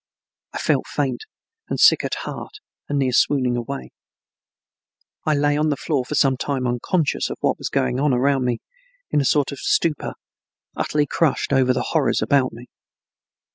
I felt faint and sick at heart and near swooning away. I lay on the floor for some time unconscious of what was going on around me, in a sort of stupor, utterly crushed over the horrors about me.